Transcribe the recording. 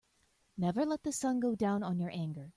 Never let the sun go down on your anger.